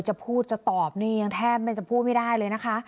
จะพูดจะตอบนี่ยังแทบจะพูดไม่ได้เลยนะคะ